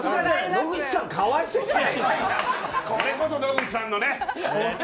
野口さん、かわいそうじゃないか。